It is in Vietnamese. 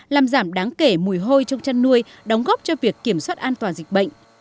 làm giảm đáng kể mùi hôi trong chăn nuôi đóng góp cho việc kiểm soát an toàn dịch bệnh